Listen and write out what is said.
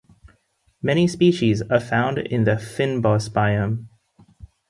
Many species are found in the fynbos biome.